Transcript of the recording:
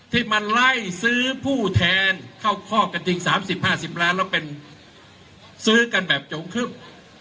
ที่มาไล่ซื้อผู้แทนเข้าข้อกันจริง๓๐๕๐ล้านแล้วเป็นซื้อกันแบบจงครึบ